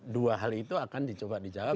dua hal itu akan dicoba dijawab